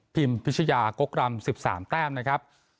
พิมพิชญากกรรม๑๓แต้มนะครับ